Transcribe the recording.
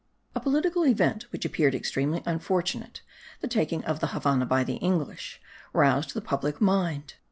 A political event which appeared extremely unfortunate, the taking of the Havannah by the English, roused the public mind.